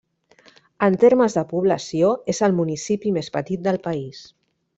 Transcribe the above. En termes de població, és el municipi més petit del país.